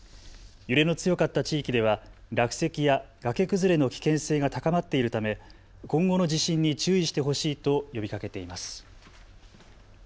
揺れの強かった地域では落石や崖崩れの危険性が高まっているため今後の地震に注意してほしいと呼びかけています。